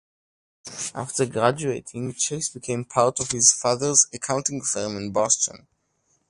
After graduating, Chase became part of his father's accounting firm in Boston.